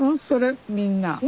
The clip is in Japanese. それみんな。